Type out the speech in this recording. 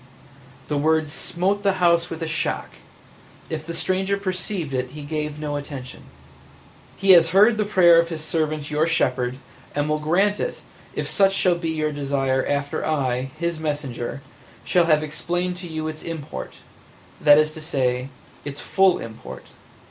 The words smote the house with a shock; if the stranger perceived it he gave no attention. "He has heard the prayer of His servant your shepherd, and will grant it if such shall be your desire after I, His messenger, shall have explained to you its import – that is to say, its full import.